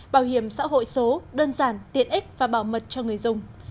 bảo hiểm xã hội số đơn giản tiện ích và bảo mật cho người dùng